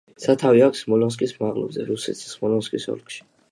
სათავე აქვს სმოლენსკის მაღლობზე, რუსეთში სმოლენსკის ოლქში.